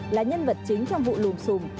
là nhân vật chính trong vụ lùm xùm